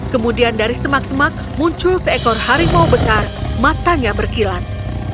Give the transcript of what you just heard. kemudian dari semak semak muncul seekor harimau besar matanya berkilat